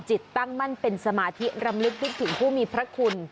จิตตั้งมั่นเป็นสมาธิรำลึกนึกถึงผู้มีพระคุณ